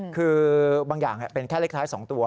คือบางอย่างเป็นแค่เลขท้าย๒ตัว